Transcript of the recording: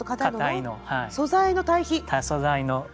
素材の対比！